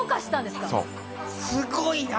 すごい。